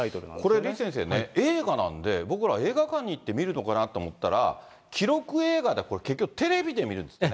これ、李先生ね、映画なんで、僕らは映画館に行って見るのかなと思ったら、記録映画、結局これ、テレビで見るんですね。